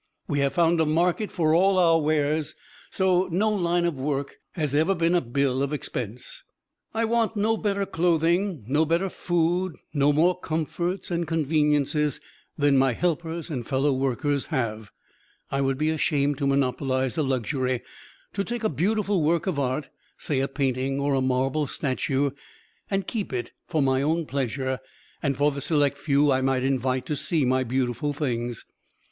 We have found a market for all our wares, so no line of work has ever been a bill of expense. I want no better clothing, no better food, no more comforts and conveniences than my helpers and fellow workers have. I would be ashamed to monopolize a luxury to take a beautiful work of art, say a painting or a marble statue, and keep it for my own pleasure and for the select few I might invite to see my beautiful things.